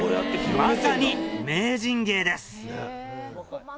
まさに名人芸です。